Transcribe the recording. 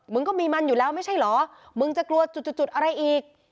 ก็มีมันอยู่แล้วไม่ใช่เหรอมึงจะกลัวจุดอะไรอีก